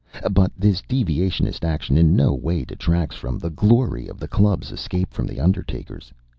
But this deviationist action in no way detracts from the glory of the Club's escape from the Undertakers.